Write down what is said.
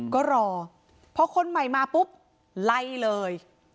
ก็รอพอคนใหม่มาปุ๊บไล่เลย